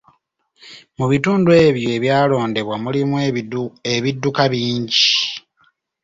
Mu bitundu ebyo ebyalondebwa mulimu ebidduka bingi.